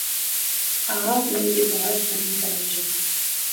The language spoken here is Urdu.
آپ میری بات نہیں سمجھ رہے